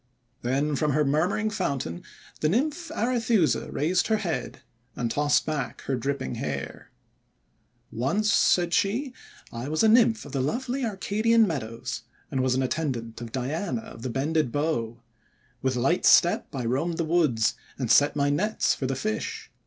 Then from her murmuring fountain the Nymph Arethusa raised her head, and tossed back her dripping hair. "Once," said she, :'I was a Nymph of the lovely Arcadian meadows, and an attendant of Diana of the Bended Bow. With light step I roamed the woods, and set my nets for the fish.